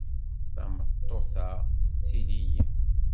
Tameṭṭut-a tettili-yi.